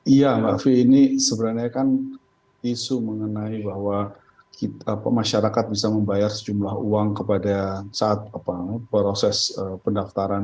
iya mbak fi ini sebenarnya kan isu mengenai bahwa masyarakat bisa membayar sejumlah uang kepada saat proses pendaftaran